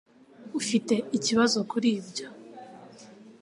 Ufite ikibazo kuri ibyo